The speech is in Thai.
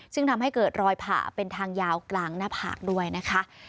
ซึ่งทำให้เกิดรอยผ่าเป็นทางยาวกลางหน้าผากด้วยนะคะ